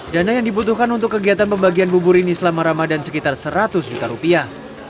dana yang dibutuhkan untuk kegiatan pembagian bubur ini selama ramadan sekitar seratus juta rupiah